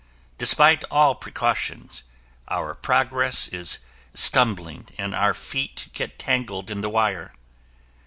Despite all precautions, our progress is stumbling and our feet get tangled in the wire.